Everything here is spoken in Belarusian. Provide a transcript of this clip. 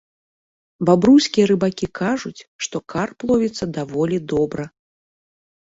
Бабруйскія рыбакі кажуць, што карп ловіцца даволі добра.